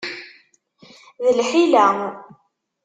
D lḥila!